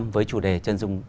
với chủ đề chân dung